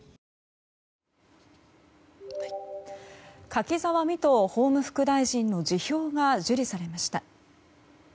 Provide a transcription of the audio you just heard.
柿沢未途法務副大臣の辞表が受理されました。